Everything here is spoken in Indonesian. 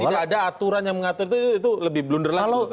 tidak ada aturan yang mengatur itu lebih blunder lagi